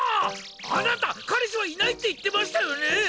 あなた彼氏はいないって言ってましたよね！？